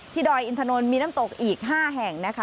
ดอยอินทนนท์มีน้ำตกอีก๕แห่งนะคะ